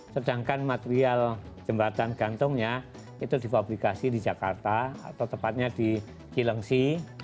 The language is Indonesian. sedangkan material jembatan gantungnya itu dipublikasi di jakarta atau tepatnya di cilengsi